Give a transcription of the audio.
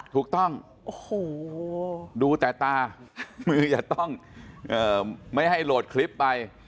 ถูกต้องโอ้โหดูแต่ตามืออย่าต้องไม่ให้โหลดคลิปไป